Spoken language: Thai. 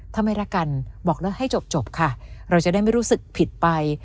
ถ้าไม่รักกันบอกแล้วให้จบค่ะเราจะได้ไม่รู้สึกผิดไป